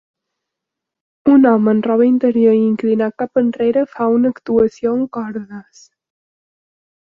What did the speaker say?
Un home en roba interior i inclinat cap enrere fa una actuació amb cordes.